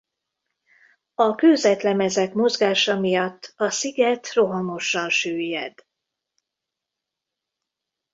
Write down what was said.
A kőzetlemezek mozgása miatt a sziget rohamosan süllyed.